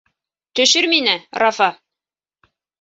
Төшөр мине, Рафа.